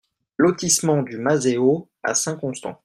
Lotissement du Mazet Haut à Saint-Constant